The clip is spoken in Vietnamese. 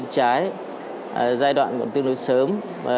cháy giai đoạn còn tương đối sớm